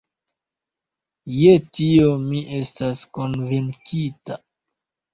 Je tio mi estas konvinkita.